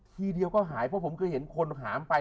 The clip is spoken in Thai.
ทีเดียวก็หายเพราะผมเคยเห็นคนหามไป